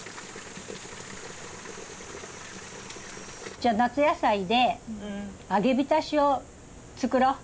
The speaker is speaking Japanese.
じゃあ夏野菜で揚げびたしを作ろう。